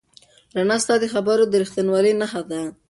رڼا ستا د خبرو د رښتینولۍ نښه ده.